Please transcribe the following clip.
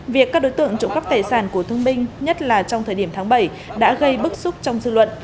việc các đối tượng trộm cắp tài sản của thương binh nhất là trong thời điểm tháng bảy đã gây bức xúc trong dư luận